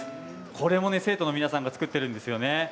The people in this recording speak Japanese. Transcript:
これも生徒の皆さんが作っているんですよ。